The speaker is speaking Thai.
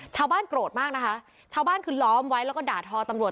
ชาวบ้านโกรธมากนะคะชาวบ้านคือล้อมไว้แล้วก็ด่าทอตำรวจ